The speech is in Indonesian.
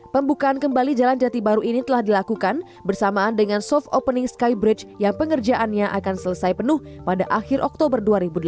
pembukaan kembali jalan jati baru ini telah dilakukan bersamaan dengan soft opening skybridge yang pengerjaannya akan selesai penuh pada akhir oktober dua ribu delapan belas